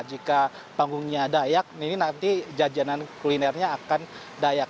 jika panggungnya dayak ini nanti jajanan kulinernya akan dayak